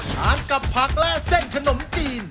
ทานกับผักและเส้นขนมจีน